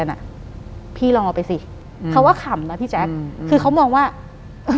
หลังจากนั้นเราไม่ได้คุยกันนะคะเดินเข้าบ้านอืม